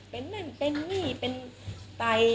เป็นนั่นเป็นนี่เป็นไต